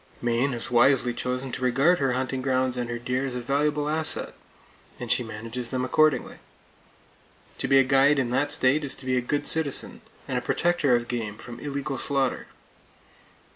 Maine has wisely chosen to regard her hunting grounds and her deer as a valuable asset, and she manages them accordingly. To be a guide in that state is to be a good citizen, and a protector of game from illegal slaughter.